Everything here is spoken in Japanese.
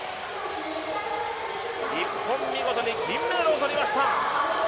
日本、見事に銀メダルを取りました。